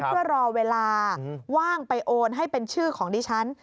เพื่อรอเวลาว่างไปโอนให้เป็นชื่อของดิฉัน